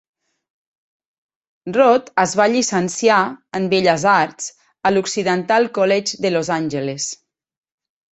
Rohde es va llicenciar en Belles Arts a l'Occidental College de Los Angeles.